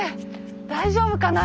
大丈夫かな？